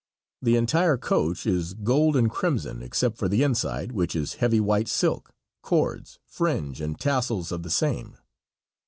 The entire coach is gold and crimson except for the inside, which is heavy white silk, cords, fringe and tassels of the same.